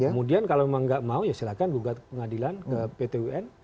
kemudian kalau memang nggak mau ya silahkan gugat pengadilan ke pt un